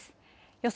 予想